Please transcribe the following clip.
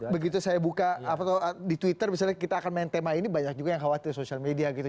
begitu saya buka di twitter misalnya kita akan main tema ini banyak juga yang khawatir social media gitu